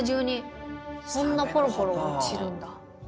こんなポロポロ落ちるんだ。